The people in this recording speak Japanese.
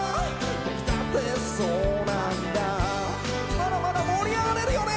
まだまだ盛り上がれるよね！